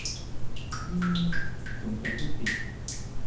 อืม สงสัยจะจริง